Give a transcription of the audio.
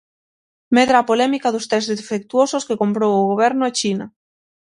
Medra a polémica dos tests defectuosos que comprou o Goberno a China.